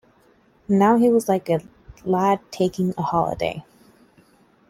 Now he was like a lad taking a holiday.